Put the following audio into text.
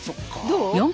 どう？